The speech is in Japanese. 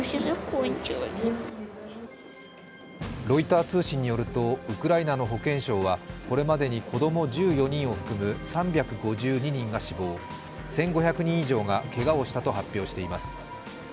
ロイター通信によるとウクライナの保健相はこれまでに子供１４人を含む３５２人が死亡、１５００人以上がけがをしたと発表しています。